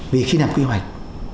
vì khi nằm quy hoạch